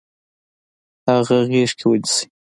هغه غیږ کې ونیسئ.